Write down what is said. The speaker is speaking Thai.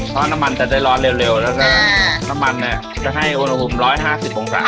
เพราะน้ำมันจะได้ร้อนเร็วเร็วอ่าน้ำมันเนี้ยจะให้อุณหภูมิร้อยห้าสิบองศักดิ์